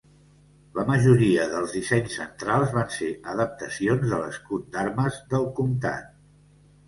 La majoria dels dissenys centrals van ser adaptacions de l'escut d'armes del comtat.